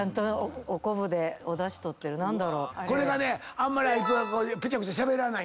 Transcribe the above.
あんまりあいつはぺちゃくちゃしゃべらない。